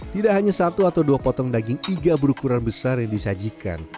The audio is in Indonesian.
tidak hanya satu atau dua potong daging iga berukuran besar yang disajikan